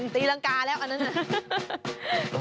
ตีรังกาแล้วอันนั้นน่ะ